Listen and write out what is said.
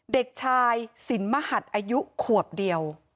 เด็กชายสินมหัดอายุขวบเดียว